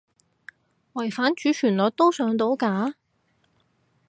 違反主旋律都上到架？